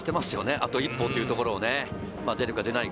あと一歩というところをね、出るか出ないか。